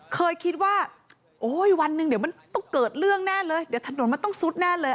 เคยคิดว่าโอ้ยวันหนึ่งเดี๋ยวมันต้องเกิดเรื่องแน่เลยเดี๋ยวถนนมันต้องซุดแน่เลย